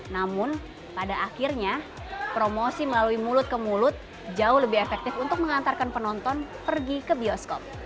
namun pada akhirnya promosi melalui mulut ke mulut jauh lebih efektif untuk mengantarkan penonton pergi ke bioskop